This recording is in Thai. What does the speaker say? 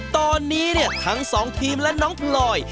ตอนนี้เนี่ยทั้งสองทีมและน้องพลอย